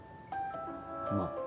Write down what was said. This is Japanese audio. まあ。